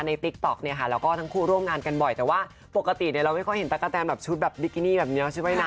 ในติ๊กต๊อกนะคะแล้วก็ทั้งคู่ร่วมงานกันบ่อย